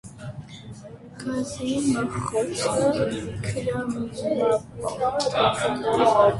Գազի մխոցը քրոմապատ է։